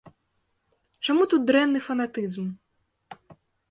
Чаму тут дрэнны фанатызм?